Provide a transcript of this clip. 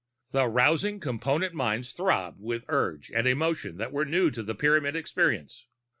The rousing Component minds throbbed with urge and emotion that were new to Pyramid experience.